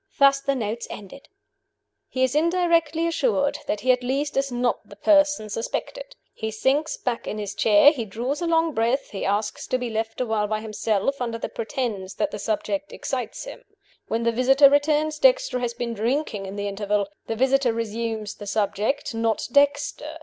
Thus the notes ended: "He is indirectly assured that he at least is not the person suspected. He sinks back in his chair; he draws a long breath; he asks to be left a while by himself, under the pretense that the subject excites him. When the visitor returns, Dexter has been drinking in the interval. The visitor resumes the subject not Dexter.